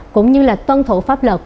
cũng như là tuân thủ pháp luật